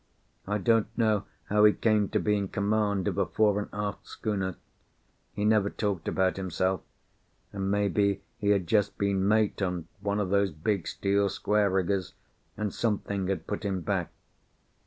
I don't know how he came to be in command of a fore and aft schooner. He never talked about himself, and maybe he had just been mate on one of those big steel square riggers, and something had put him back.